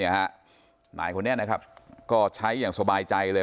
หลายคนเนี่ยก็ใช้อย่างสบายใจเลย